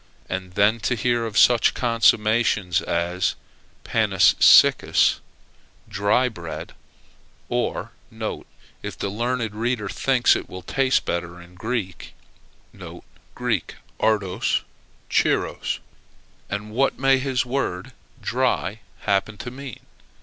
And then to hear of such consummations as panis siccus, dry bread; or, (if the learned reader thinks it will taste better in Greek,) [Greek: artos xaeros!] And what may this word dry happen to mean?